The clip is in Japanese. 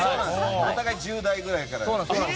お互い１０代くらいから。